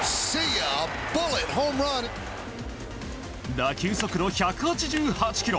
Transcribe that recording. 打球速度１８８キロ。